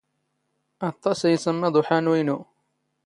ⴰⵟⵟⴰⵚ ⵉ ⵉⵚⵎⵎⴹ ⵓⵃⴰⵏⵓ ⵉⵏⵓ.